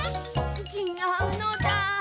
ちがうのだ。